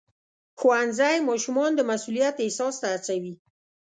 ښوونځی ماشومان د مسؤلیت احساس ته هڅوي.